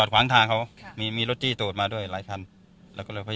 ส่งให้เขาเนี้ยคือยังไม่ได้รับเงินแบงค์พันมา